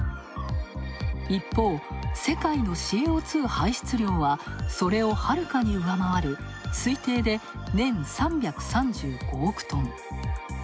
一方、世界のＣＯ２排出量はそれをはるかに上回る推定で年３３５億トン。